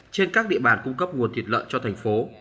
trên các địa bàn cung cấp nguồn thiệt lợn cho thành phố